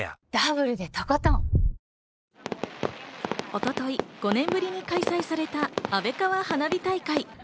一昨日、５年ぶりに開催された安倍川花火大会。